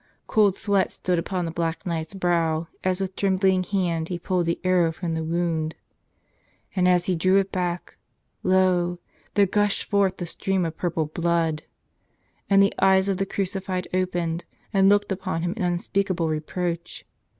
Cold sweat stood upon the Black Knight's brow as with trembling hand he pulled the arrow from the wound. And as he dr ew it back, lo ! there gushed forth a stream of purple blood. And the eyes of the Crucified opened and looked upon him in unspeakable reproach.